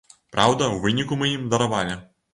Праўда, у выніку мы ім даравалі.